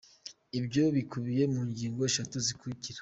Ibyo bikubiye mu ngingo eshatu zikurikira.